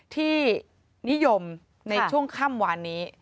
ที่นิยมในช่วงค่ำวานนี้